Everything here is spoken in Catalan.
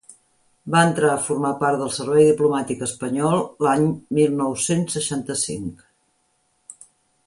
Va entrar a formar part del servei diplomàtic espanyol l’any mil nou-cents seixanta-cinc.